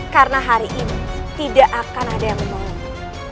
karena hari ini tidak akan ada yang memohonmu